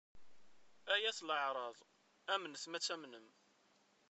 Ay at leɛraḍ! Amnet ma ad tamnem.